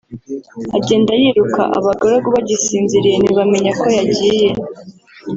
agenda yiruka abagaragu bagisinziriye ntibamenya ko yagiye